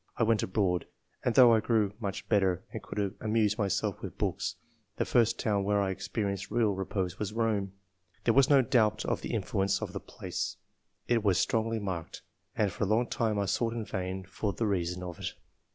I went abroad ; and though I grew much better and could amuse myself with books, the first town where I ex perienced real repose was Rome. There was no doubt of the influence of the place — ^it was strongly marked ; and for a long time I sought in vain for the reason of it.